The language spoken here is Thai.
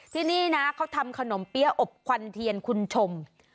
ที่นี่นะเขาทำขนมเปี้ยอบควันเทียนคุณผู้ชม